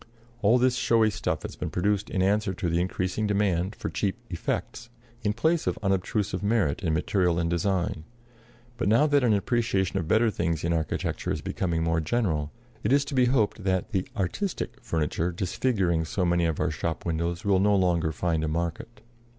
All this showy stuff has been produced in answer to the increasing demand for cheap "effects" in place of unobtrusive merit in material and design; but now that an appreciation of better things in architecture is becoming more general, it is to be hoped that the "artistic" furniture disfiguring so many of our shop windows will no longer find a market.